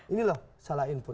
ini loh salah input